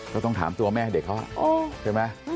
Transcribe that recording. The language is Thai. ก็ต้องถามตัวแม่เด็กเขาใช่ไหม